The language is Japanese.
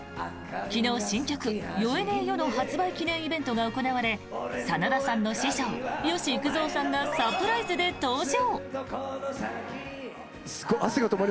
昨日、新曲「酔えねぇよ！」の発売記念イベントが行われ真田さんの師匠・吉幾三さんがサプライズで登場！